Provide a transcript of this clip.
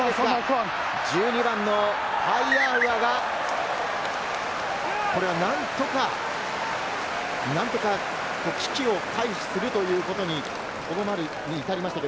１２番のパイアアウアがこれを何とか危機を回避するということに留まるに至りました。